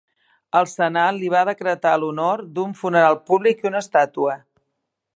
El senat li va decretar l'honor d'un funeral públic i una estàtua.